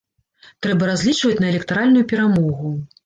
Трэба разлічваць на электаральную перамогу.